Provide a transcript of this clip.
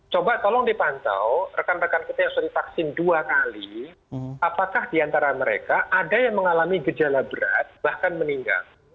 coba tolong dipantau rekan rekan kita yang sudah divaksin dua kali apakah diantara mereka ada yang mengalami gejala berat bahkan meninggal